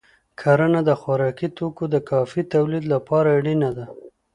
کرنه د خوراکي توکو د کافی تولید لپاره اړینه ده.